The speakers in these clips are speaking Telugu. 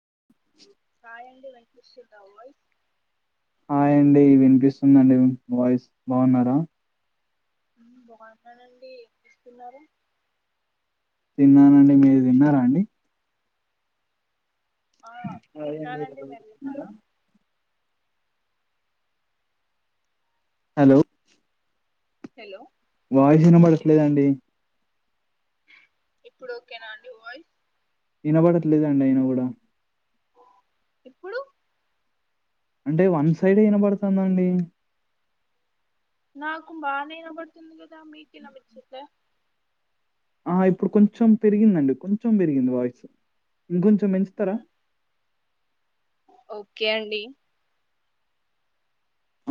అ రాయండడి వెంకష్ి ద వయస్ [inaudible] హాయ్ అండి వినిపిస్తుందండి వాయిస్ బాగున్నారా బాగున్నానండి ఏమ్ చేస్తున్నారు తిన్నానండి మీరు తిన్నారా అండి ఆ అదేండి తిన్నానండి మీరు మీరుెన్నారా తిన్నారా [inaudible] హలో హలో వాయిస్ విన పడట్లేదండి ఇప్పుడు ఓకే నా అండి వాయిస్ వినబడట్లేదండి అయిన కూడా ఇప్పుడు అంటే వన్ సైడ్ ఏ వినపడుతుందండి నాకు బానే విపడుతుంది గదా మీకు వినిపి చట్లే ఆ ఇప్పుడు కొంచెం పెరిగిందండి కొంచెం పెరిగింది వాయిస్ ఇంకొంచెం పెంచుతారా ఓకే అండి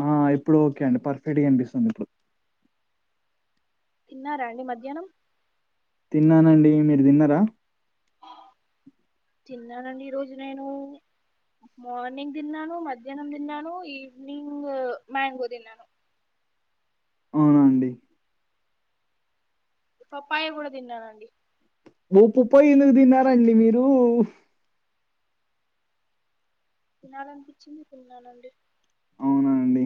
ఆ ఇప్పుడు ఓకే అండి పర్ఫెక్ట్గా వినిపిస్తుంది ఇప్పుడు తిన్నారండి మధ్యాహ్నం తిన్నానండి మీరు తిన్నార తిన్నానండి ఈరోజు నేను మార్నింగ్ తిన్నాను మధ్యాహ్నం తిన్నాను ఈవ్నింగ్ మ్యాంగో తిన్నాను అవునా అండి పప్పాయ కూడా తిన్నానండి ఓ పప్పయి ఎందుకు తిన్నారండి మీరు తినాలిఅనిపించింది తిన్నానండి అవునా అండి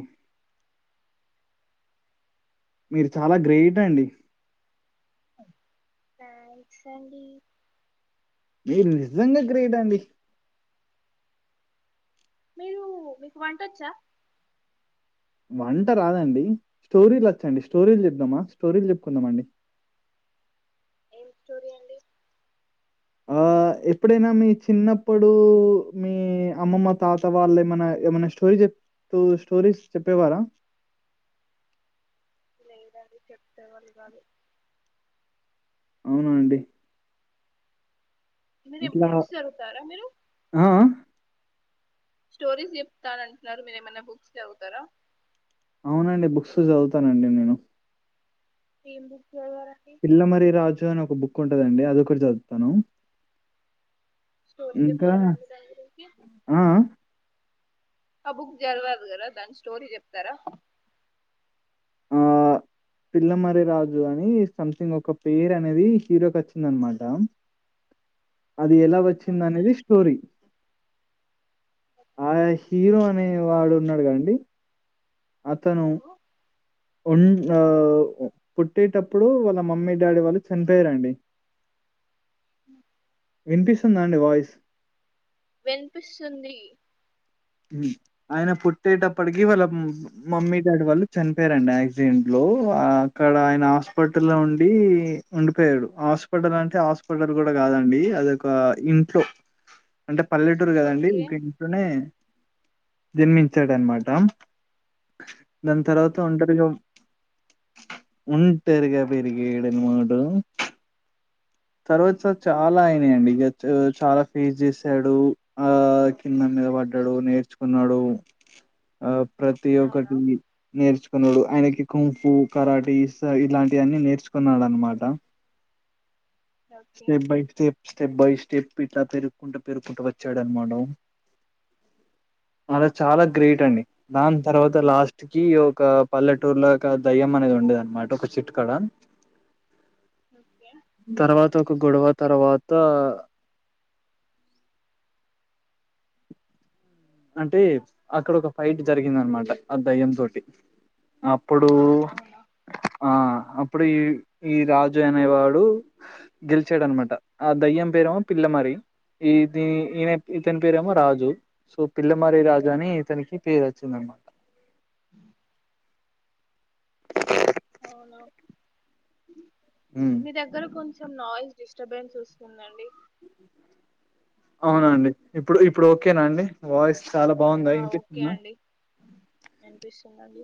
మీరు చాలా గ్రేట్ అండి థాంక్స్ అండి మీరు నిజంగా గ్రేట్ అండి మీరు మీకు వంటొచ్చా వంట రాదండి స్టోరీలు వచ్చండి స్టోరీలు చెప్దామా స్టోరీలు చెప్పుకుందామ అండి ఏం స్టోరీ అండి హాలో ఎప్పుడైనా మీ చిన్నప్పుడు మీ అమ్మమ్మ తాత వాళ్ళ ఏమన్నా ఏమన్న స్టోరీ స్టోరీస్ చెప్పేవారా లేదండి చెప్పే వాళ్ళు కాదు అవునా అండి [unintelligible] ఏందుర ఇట్లా బుక్స్ జరుగుతారా మీరు ఆ! ఆ! స్టోరీస్ చెప్తాననీ అంటున్నారు మీరు ఏమైనా బుక్స్ చదువుతారా అవునండి బుక్స్ చదువుతానండి నేను పెంబు పిల్లమరి రాజు అని ఒక బుక్ ఉంటదండి అదొకటి చదువుతాను స్టోరీ ఇంకా చెప్తారా అండి దాని గురించి ఆ ఆ బుక్ జరివరు కదా దాని స్టోరీ చెప్తారా ఆ పిల్లమరి రాజు అని సంథింగ్ ఒక పేరు అనేది హీరోకి వచ్చింది అనమాట అది ఎలా వచ్చింది ఓకే అనేది స్టోరీ ఆయా హీరో అనే వాడు ఉన్నాడు కదండి అతను అవును ఉన్ ఆ పుట్టేటప్పుడు వాళ్ళ మమ్మీ డాడీ వాళ్ళు చనిపోయారండి అ వినిపిస్తుందా అండి వాయిస్ వినిపిస్తుంది ఆయన పుట్టేటప్పటికి వాళ్ళ మమ్మీ డాడీ వాళ్ళు చనిపోయారండి యాక్సిడెంట్ లో అక్కడ ఆయన హాస్పిటల్ ఉండి ఉండిపోయడు హాస్పిటల్ అంటే హాస్పిటల్ కూడా కాదండి అది ఒక ఇంట్లో అంటే పల్లెటూరు కదండి ఓకే ఒక ఇంట్లనే జన్మించాడు అనమాట దాని తర్వాత ఓకే ఒంటరిగా ఉంటరిగా పెరిగడన్మట తర్వాత చాలా అయినాయండి ఇక చా చాలా ఫీజ్ చేసాడు ఆ కింద మీద పడ్డాడు నేర్చుకున్నాడు ఆ ప్రతి అవునా ఒక్కటి నేర్చుకున్నాడు ఆయనకి కుంపు కరాటి ఇలాంటివన్నీ నేర్చుకున్నాడు అనమాట okay step by step step by step ఇట్లా పెరుగుకుంటూ పెరుగుకుంటూ వచ్చాడనమాటా అలా చాలా గ్రేట్ అండి దాని తర్వాత లాస్ట్ కి ఒక పల్లెటూర్లకా దయ్యం అనేది ఉండేది అనమాట ఒక చేట్టు కడ ఓకే తర్వా గొడవ తర్వాత అంటే అక్కడ ఒక ఫైట్ జరిగింద అనమాట ఆ దయ్యం తోటి ఆ అప్పుడు అవునా ఆ ఆప్ అప్పుడు ఈ ఈ రాజు అనేవాడు గెలిచాడు అనమాట ఆ దయ్యం పేరేమో పిల్ల మరి ఈది ఈయన ఇతని పేరేమో రాజు సో పిల్లమరి రాజు అని ఇతనికి పేరు వచ్చింద అనమాట అ అవునా మీ దగ్గర కొంచం చెం నాయిస్ డిస్టబెన్స్ వస్తుందండి అవునాండి ఇప్పుడు ఇప్పుడు ఓకేనాండి వాయిస్ చాలా బాగుందా ఆ ఓకే ఇన్పితుంద అండి వినిపిస్తుందండి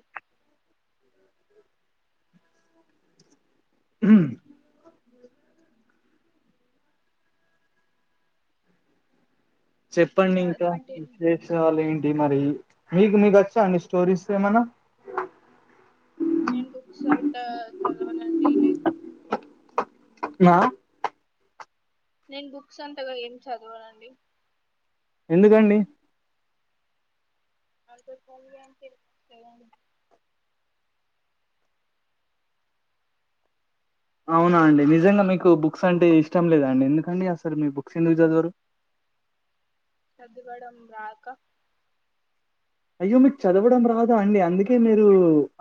హ చెప్పండి ఆ, ఇంకా కంటే విశేషాలు ఏంటి మరి మీకు మీకు వచ్చా అండి స్టోరీస్ ఏమనా నేను బుక్స్ అంతా చదవనండి లై నా నేను బుక్స్ అంతాగా ఏం చదవానండి ఎందుకండి [unintelligible] అవునా అండి నిజంగా మీకు బుక్స్ అంటే ఇష్టం లేదండి ఎందుకండి అసలు మీ బుక్స్ ఎందుకు చదవరు చదవడం రాక అయ్యో మీరు చదవడం రాదా అండి అందుకే మీరు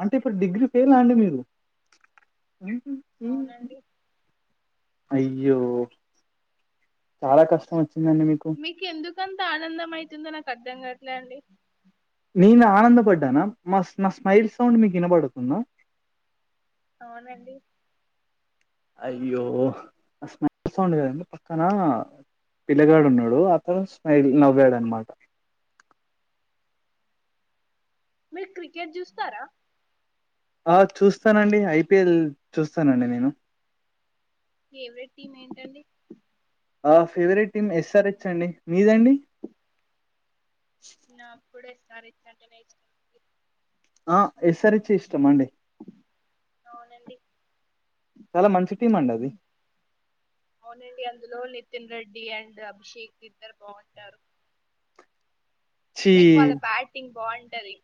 అంటే ఇప్పుడు డిగ్రీ ఫెయిల్ అండి మీరు అవునండి అయ్యో చాలా కష్టం వచ్చిందండి మీకు ఇకంత ఆనందం అయితుందో నాకు అర్థం కాట్లే అండి నేను ఆనందపడ్డానా మా నా స్మైల్ సౌండ్ మీకు వినబడుతుంద అవునండి అయ్యో అది స్మైల్ సౌండ్ కాదు అండి పక్కన పిల్లగాడు ఉన్నాడు అతను స్మైల్ నవ్వాడ అన్నమాట మీరు క్రికెట్ చూస్తారా ఆ చూస్తానండి ఐపిఎల్ చూస్తానండి నేను ఫేవరెట్ టీమ్ ఏంటండి ఆ ఫేవరెట్ టీమ్ ఎస్ఆరహెచ్ అండి మీదండి నాక్కూడా ఎస్ ఆర్ హెచ్ అంటేనే ఇష్టం ఆ ఎస్ ఆర్ హెచ్ ఇష్టమడి అవునండి చాలా మంచి టీం అండి అది అవునండి అందులో నితిన్ రెడ్డి అండ్ అభిషేక్ ఇద్దరు బాగుంటారు ఛీ! లైక్ వాళ్ళ బ్యాటింగ్ బాగుంటది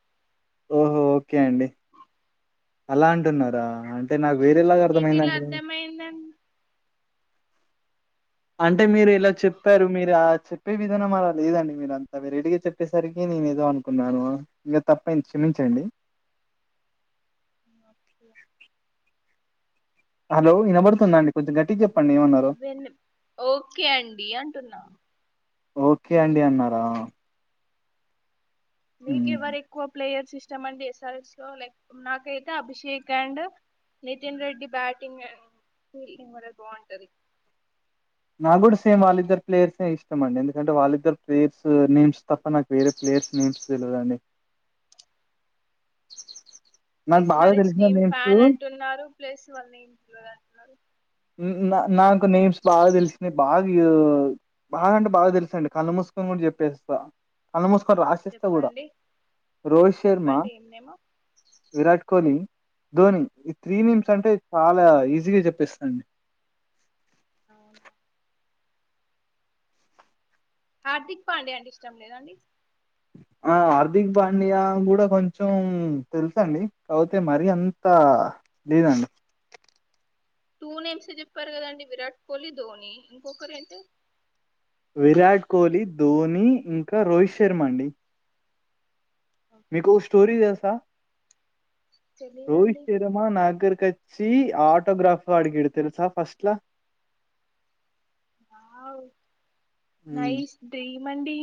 ఓహో ఓకే అండి అలా అంటున్నారా అంటే నాకు వేరేలాగా నీకు ఎలా అర్థమైందండి. అర్థమయిందండి అంటే మీరు ఇలా చెప్పారు మీరు ఆ చెప్పే విధానం అలా లేదండి మీరు అంతా వెరైటీగా చెప్పేసరికి నేను ఏదో అనుకున్నాను ఇంకా తప్పంది క్షమించండి ఓకే హలో వినబడుతుంద అండి కొంచెం గట్టి చె వెన్న ఓకే అండి అంటున్నా ఓకే అండి అన్నారా మీకు హ్మ్. ఎవరు ఎక్కువ ప్లేయర్ ఇష్టం అండి ఎస్ఆర్ఎస్ లో లైక్ నాకైతే Abhishek and Nitin Reddy batting and fielding కూడా బాగుంటది నాకు కూడా సేమ్ వాళ్ళిద్ద ప్లేయర్స్ ఇష్టం అండి ఎందుకంటే వాళ్ళిద్దరు ప్లేయర్స్ నేమ్స్ తప్ప నాకు వేరే ప్లేయర్స్ నేమ్స్ తెలవదండి నాకు ఎస్ బాగా ఆర్ హెచ్ తెలిసిన టీమ్ నేమ్స్ ఫ్యాన్ అంటున్నారు ప్లస్ వల అంటున్నారు నాకు నేమ్స్ బాగా తెలిసినాయి బాగా బాగా అంటే బాగా తెలుసండి కళ్ళు మూసుకొని చెప్పేస్తా అల్మోస్ట్ రాసిస్త కూడా చెప్పండి రోహిత్ శర్మ చెప్పండి ఏం నేమో విరాట్ కోహ్లీ ధోని ఈ త్రీ నేమ్స్ అంటే చాలా ఈజీగా చెప్పేస అండీ అవునా హార్దిక్ పాండే అండి ఇష్టం లేదండి ఆ హార్దిక్ పాండ్యా కూడా కొంచెం తెలుసు అండి ఔతే మరి అంత లేదండి టూ నేమ్స్ చెప్పారు కదండి విరాట్ కోహ్లీ, ధోని ఇంకొకరు ఏంటి విరాట్ కోహ్లీ, ధోని, ఇంకా రోహిత్ శర్మ అండి మీకు స్టోరీ తెల్సా? రోహిత్ తెలీదండి శర్మా నాగర్ కచ్చి ఆటోగ్రాఫ్ అడికిడు తెల్సా ఫస్ట్లా వావ్ హ్మ్ నైస్ డ్రీమ్ అండి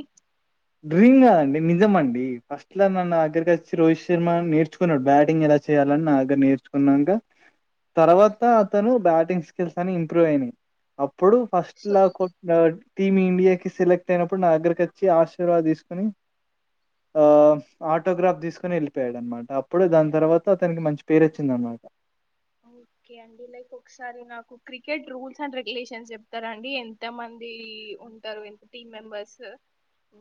డ్రీమ్ కాదండి నిజం అండి ఫస్ట్ లా నా అగ్గరికి వచ్చి రోహిత్ శర్మ నేర్చుకున్నాడు బ్యాటింగ్ ఎలా చేయాలని నా దగ్గర నేర్చుకున్నాంక తర్వాత అతను బ్యాటింగ్ స్కిల్స్ అన్ని ఇంప్రూవ్ అయినాయ్ అప్ అప్పుడు ఫస్ట్ సో లా టీమ్ ఇండియాకి సెలెక్ట్ అయినప్పుడు నా దగ్గరికి వచ్చి ఆస్ శిర్వాద్ తీసుకొని ఆ ఆటోగ్రాఫ్ తీసుకొని వెళ్ళిపోయాడు అనమాట అప్పుడు దాని తర్వాత అతనికి మంచి పేరు వచ్చింది అనమా అంట ఓకే అండి లైక్ ఒకసారి నాకు క్రికెట్ రూల్స్ అండ్ రెగ్యులేషన్స్ చెప్తారా అండి ఎంత మంది మంది ఉంటారు ఇంత team members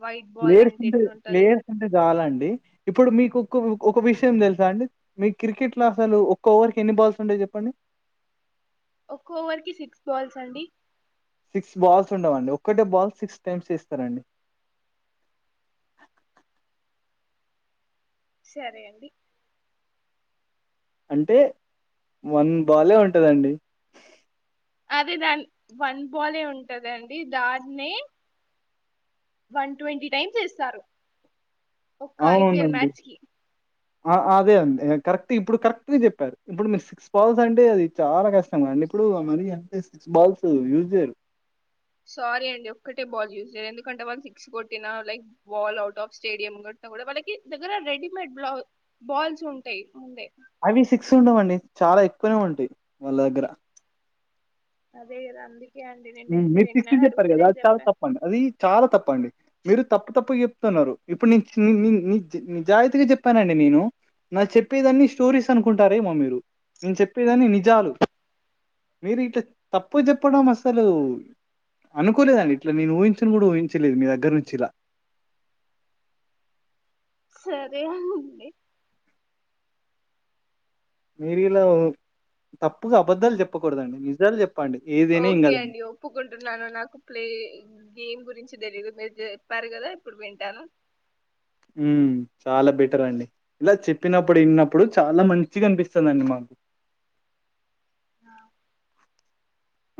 white ball players అంటే ఉంటే ఎట్లుంటది ప్లేయర్స్ ఉంటే చాలా అండి ఇప్పుడు మీకు ఒకొ ఒక విషయం తెల్సా అండి మీ క్రికెట్ లో అసలు ఒక్క ఓవర్ కి ఎన్ని బాల్స్ ఉంటాయి చెప్పండి ఒక్కో ఓవర్ కి సిక్స్ బాల్స్ అండి సిక్స్ బాల్స్ ఉండవండి ఒక్కటే బాల్ సిక్స్ టైమ్స్ వేస్తరండి సరే అండి అంటే వన్ బాలే ఉంటదండి అదే దాని వన్ బాలే ఉంటదండి దాన్నే వన్ ట్వంటీ టైమ్స్ వేస్తారు ఒక్క ఐపిఎల్ అవునండి. మ్యాచ్ కి ఆ అదే అండి కరెక్ట్ ఇప్పుడు కరెక్ట్ గా చెప్పారు ఇప్పుడు మీరు సిక్స్ బాల్స్ అంటే అది చాలా కష్టం అండ్ లిప్పుడు ఆ మనీ అంటే సిక్స్ బాల్స్ యూజ్ జేయరు. సారీ అడి ఒక్కటే బాల్ యూస్ ఎందుకంటే వాళ్ళు సిక్స్ కొట్టిన like ball out of stadium కొట్టినా కూడా వాళ్ళకి దగ్గర రెడిమేడ్ బ్లాక్ బాల్స్ ఉంటాయ్ ముందే అవి సిక్స్ ఉండవండి చాలా ఎక్కువనే ఉంటాయి్ వాళ్ళ దగ్గర అదే గదా అందు మీరు సిక్సి చెప్పారు కదా అది చాలా తప్పండి అది చాలా తప్పండి మీరు తప్పు తప్పుగా చెప్ త్తున్నారు ఇప్పుడు నేన్ నీన్ నిజాయితీగా చెప్పానండి నేను నాకు చెప్పేదాన్ని స్టోరీస్ అ అనుకుంటారేమో మీరు నేను చెప్పేదన్నీ నిజాలు మీరు ఇట్లా తప్పు చెప్పడం అసలు అనుకోలేదండి ఇట్లా నేను ఊహించని కూడా ఊహించలేదు మీ దగ్గర నుంచి ఇలా సరే అండి మీరు ఇలా తప్పుగా అబద్ధాలు చెప్పకూడదండి నిజాలు చెప్ ఓకే అండి ఒప్పుకుంటున్నాను నాకు ప్లే గేమ్ గు తెలీదు మీరు చెప్పారు గదా ఇప్పుడు వింటాను ఉ చాలా బెటర్ అండి ఇలా చెప్పినప్పుడు విన్నప్పుడు చాలా మంచి అనిపిస్తుందండి మాకు [unintelligible] ఆ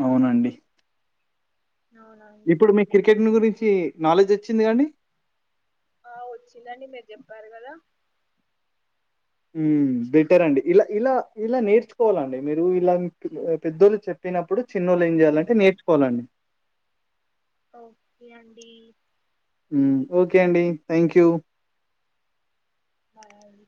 అవునండి అవునండి ఇప్పుడు మీ క్రికెట్ గురించి నాలెడ్జ్ వచ్చింది కాదండి ఆ వచ్చిందండి మీరు చెప్పారు కదా ఉ బెటర్ అండి ఇలా ఇలా ఇలా నేర్చుకోవాలండి మీరు ఇలా పెద్దోళ్లు చెప్పినప్పుడు చిన్నోళు ఏంయాలంటేర్చుకోవాలండి ఓకే అండి ఓకే అండి థ్యాంక్ యూ బాయ్ అండి